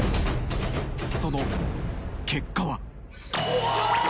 その結果はおぉ！